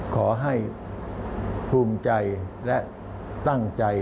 ขอให้ภูมิใจและตั้งใจ